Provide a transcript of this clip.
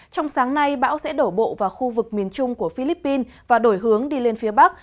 trong sáng nay bão sẽ đổ bộ vào khu vực miền trung của philippines và đổi hướng đi lên phía bắc